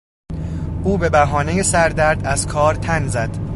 او به بهانهٔ سردرد از کار تن زد.